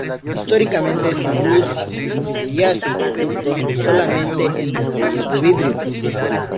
Históricamente, Salus distribuía sus productos solamente en botellas de vidrio.